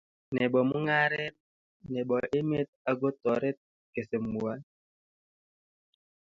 nebo mungaret nebo emet ago toret kesemgwai